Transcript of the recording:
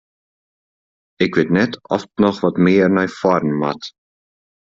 Ik wit net oft it noch wat mear nei foaren moat?